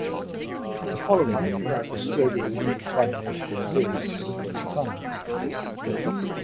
The following year Australia won the Tri Nations Series for the first time.